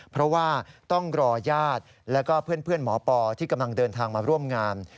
เพราะว่าต้องรอญาติแล้วก็เพื่อนหมอปอที่กำลังเดินทางมาร่วมงาน